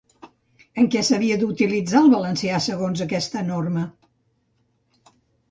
En què s'havia d'utilitzar el valencià, segons aquesta norma?